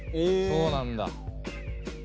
そうなんだ。